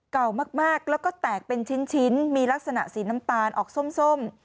เก่ามากแล้วก็แตกเป็นชิ้นมีลักษณะสีน้ำตาลออกส้ม